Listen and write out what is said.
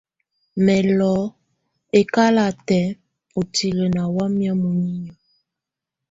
Mɛ̀ lɔ̀ ɛkalatɛ ùtilǝ̀ nà wamɛ̀ muninyǝ́.